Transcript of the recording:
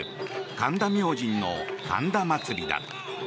神田明神の神田祭だ。